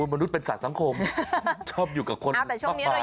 มนุษย์เป็นสัตว์สังคมชอบอยู่กับคนปากปาย